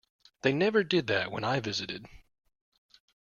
They never did that when I visited.